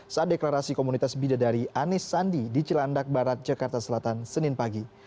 saat deklarasi komunitas bidadari anies sandi di cilandak barat jakarta selatan senin pagi